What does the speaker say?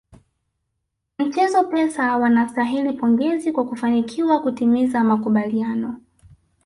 Mchezo Pesa wanastahili pongezi kwa kufanikiwa kutimiza makubaliano